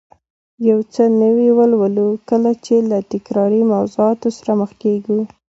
یو څه نوي ولولو، کله چې له تکراري موضوعاتو سره مخ کېږو